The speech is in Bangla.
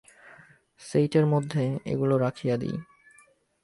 সেইটের মধ্যে এগুলা রাখিয়া দিই।